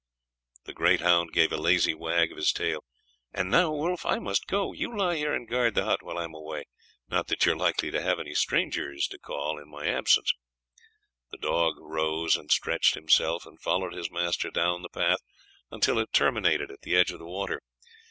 The great hound gave a lazy wag of his tail. "And now, Wolf, I must go. You lie here and guard the hut while I am away. Not that you are likely to have any strangers to call in my absence." The dog rose and stretched himself, and followed his master down the path until it terminated at the edge of the water.